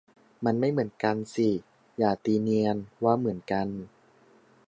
มันไม่เหมือนกันสิ อย่าตีเนียนว่าเหมือนกัน